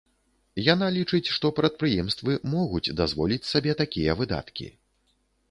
Яна лічыць, што прадпрыемствы могуць дазволіць сабе такія выдаткі.